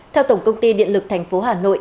theo tổng công ty điện lực thành phố hà nội